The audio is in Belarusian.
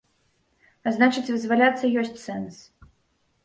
А значыць, вызваляцца ёсць сэнс.